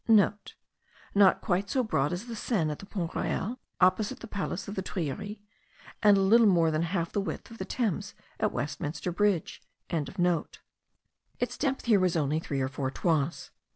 *(* Not quite so broad as the Seine at the Pont Royal, opposite the palace of the Tuileries, and a little more than half the width of the Thames at Westminster Bridge.) Its depth here was only three or four toises.